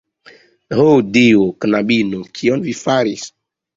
Ho Dio, knabino, kion vi faris!?